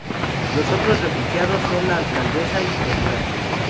Los otros refugiados son la alcaldesa y su ayudante.